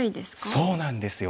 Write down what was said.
そうなんですよ。